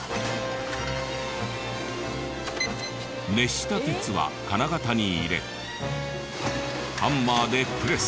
熱した鉄は金型に入れハンマーでプレス。